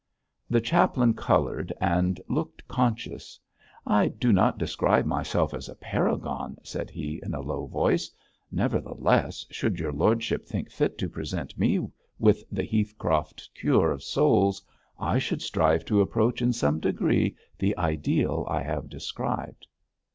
The chaplain coloured and looked conscious. 'I do not describe myself as a paragon,' said he, in a low voice; 'nevertheless, should your lordship think fit to present me with the Heathcroft cure of souls, I should strive to approach in some degree the ideal I have described.'